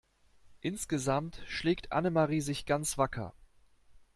Insgesamt schlägt Annemarie sich ganz wacker.